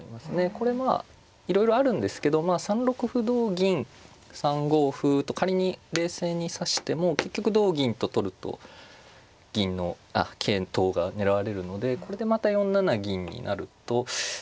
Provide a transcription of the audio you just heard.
これまあいろいろあるんですけど３六歩同銀３五歩と仮に冷静に指しても結局同銀と取ると桂頭が狙われるのでこれでまた４七銀になるとそうですね